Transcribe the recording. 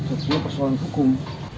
itu persoalan hukum